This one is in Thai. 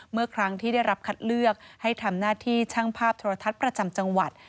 เมื่อครั้งที่ได้รับคัดเลือกให้ทำหน้าที่ช่างภาพโทรทัศน์ประจำจังหวัด